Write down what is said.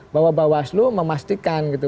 bahwa bawaslu memastikan gitu